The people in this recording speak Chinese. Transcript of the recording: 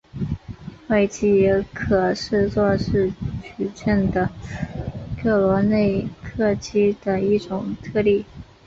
外积也可视作是矩阵的克罗内克积的一种特例。